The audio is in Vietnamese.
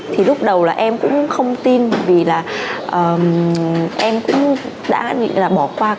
thì lúc đầu là em cũng không tin vì là em cũng đã nghĩ là bỏ qua